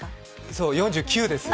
そう４９です。